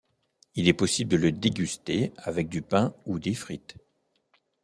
Il est possible de le déguster avec du pain ou des frites.